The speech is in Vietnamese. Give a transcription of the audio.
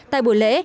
tại buổi lễ